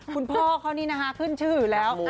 คุณพ่อเขานี่นะคะขึ้นชื่ออยู่แล้ว